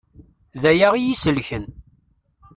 D aya i yi-selken.